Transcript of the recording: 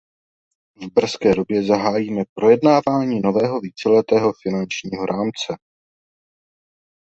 V brzké době zahájíme projednávání nového víceletého finančního rámce.